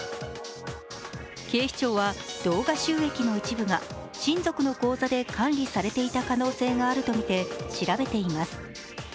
警視庁は動画収益の一部が親族の口座で管理されていた可能性があるとみて調べています。